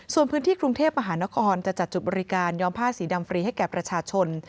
ส่วนพื้นที่กรุงเทพมหานครจะจัดจุดบริการย้อมผ้าสีดำฟรีให้แก่ประชาชน